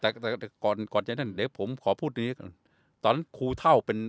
แต่แต่ได้ก่อนก่อนจริงในเดี๋ยวผมขอพูดเนี่ยตอนครูเท่าเป็น